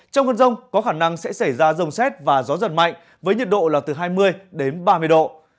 trong cơn rông có khả năng sẽ xảy ra rông xét và gió giật mạnh với nhiệt độ là từ hai mươi đến ba mươi độ